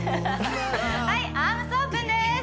はいアームスオープンです